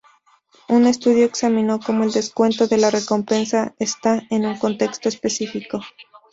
Un estudio examinó cómo el descuento de la recompensa está en un contexto específico.